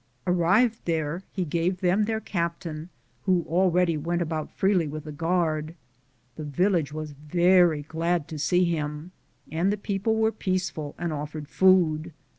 Arrived there, he gave them their captain, who al ready went about freely with a guard. The village was very glad to see him, and the people were peaceful and offered food.